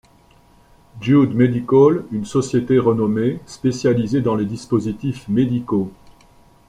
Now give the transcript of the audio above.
Jude Medical, une société renommé spécialisée dans les dispositifs médicaux.